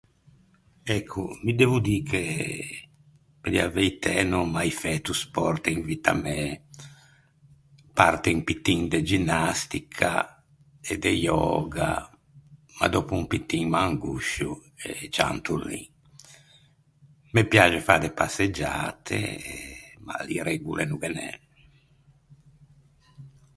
Ecco, mi devo dî che pe dî a veitæ no ò mai fæto sport in vitta mæ, parte un pittin de ginnastica e de yoga, ma dòppo un pittin m’angoscio e cianto lì. Me piaxe fâ de passeggiate e ma lì regole no ghe n’é.